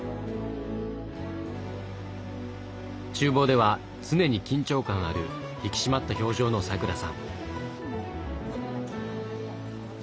厨房では常に緊張感ある引き締まった表情のさくらさん。